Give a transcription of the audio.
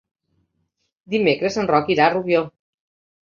Dimecres en Roc irà a Rubió.